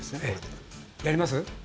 やります？